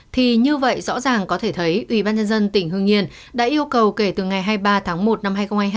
thì như vậy rõ ràng có thể thấy ubnd tỉnh hưng yên đã yêu cầu kể từ ngày hai mươi ba tháng một năm hai nghìn hai mươi hai